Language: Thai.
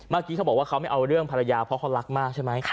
เขาบอกว่าเขาไม่เอาเรื่องภรรยาเพราะเขารักมากใช่ไหม